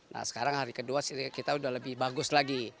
nah sekarang hari kedua kita udah lebih bagus lagi